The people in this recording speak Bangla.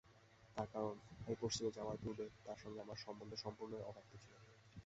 তার কারণ, আমি পশ্চিমে যাবার পূর্বে তাঁর সঙ্গে আমার সম্বন্ধ সম্পূর্ণই অব্যক্ত ছিল।